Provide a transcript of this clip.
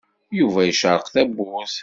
Yuba icerreq tawwurt.